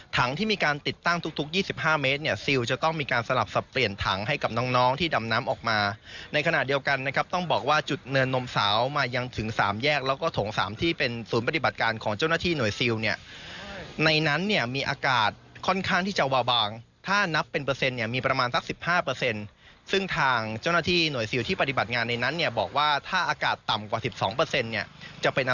ถังที่มีการติดตั้งทุก๒๕เมตรเนี่ยซิลจะต้องมีการสลับสับเปลี่ยนถังให้กับน้องที่ดำน้ำออกมาในขณะเดียวกันนะครับต้องบอกว่าจุดเนินนมเสามายังถึง๓แยกแล้วก็ถง๓ที่เป็นศูนย์ปฏิบัติการของเจ้าหน้าที่หน่วยซิลเนี่ยในนั้นเนี่ยมีอากาศค่อนข้างที่จะว่าบางถ้านับเป็นเปอร์เซ็นต์เนี่ยมี